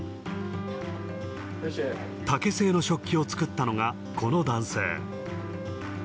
竹製の食器を作ったのがこの男性。